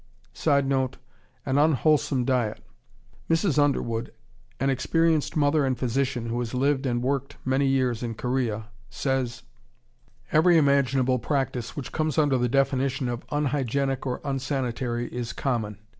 [Sidenote: An unwholesome diet.] Mrs. Underwood, an experienced mother and physician who has lived and worked many years in Korea, says: Every imaginable practice which comes under the definition of unhygienic or unsanitary is common.